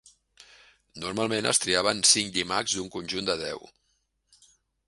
Normalment es triaven cinc llimacs d'un conjunt de deu.